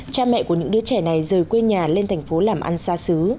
cha mẹ của những đứa trẻ này rời quê nhà lên thành phố làm ăn xa xứ